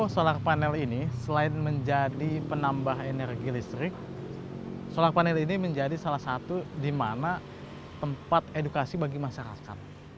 solar panel ini selain menjadi penambah energi listrik solar panel ini menjadi salah satu di mana tempat edukasi bagi masyarakat